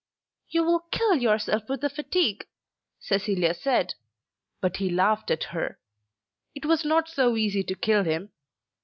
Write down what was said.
"You will kill yourself with the fatigue," Cecilia said. But he laughed at her. It was not so easy to kill him.